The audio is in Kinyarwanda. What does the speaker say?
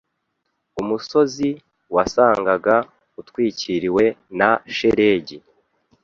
Umusozi wasangaga utwikiriwe na shelegi.